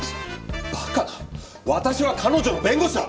馬鹿な私は彼女の弁護士だ！